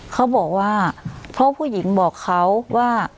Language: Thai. เขาบอกว่าเพราะผู้หญิงบอกเขาว่า